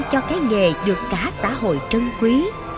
cho cái nghề được cả xã hội trân quý